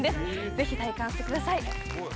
ぜひ体感してください